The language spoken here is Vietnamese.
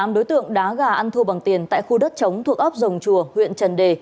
một mươi tám đối tượng đá gà ăn thua bằng tiền tại khu đất chống thuộc ốc rồng chùa huyện trần đề